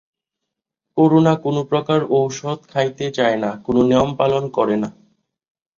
করুণা কোনো প্রকার ঔষধ খাইতে চায় না, কোনো নিয়ম পালন করে না।